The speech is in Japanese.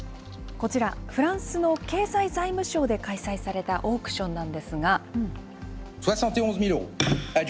こちら、フランスの経済財務省で開催されたオークションなんですが。